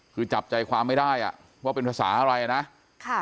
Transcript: คือจับใจความไม่ได้อ่ะว่าเป็นภาษาอะไรนะค่ะ